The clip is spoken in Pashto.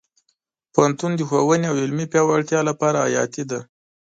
پوهنتون د ښوونې او علمي پیاوړتیا لپاره حیاتي دی.